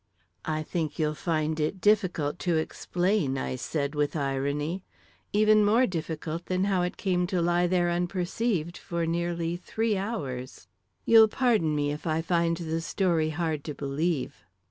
"I think you'll find it difficult to explain," I said, with irony; "even more difficult than how it came to lie there unperceived for nearly three hours. You'll pardon me if I find the story hard to believe."